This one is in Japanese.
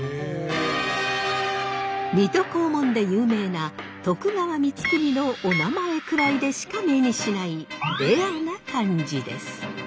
水戸黄門で有名な徳川光圀のおなまえくらいでしか目にしないレアな漢字です。